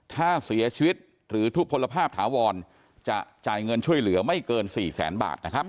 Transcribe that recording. ถ้าเสียชีวิตหรือผลภาพถาวรจะจ่ายเงินช่วยเหลือไม่เกิน๔๐๐๐๐๐บาท